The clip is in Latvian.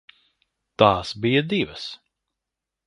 Tās bija divas.